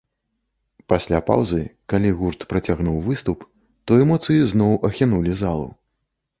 Пасля паўзы, калі гурт працягнуў выступ, то эмоцыі зноў ахінулі залу.